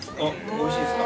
おいしいですか？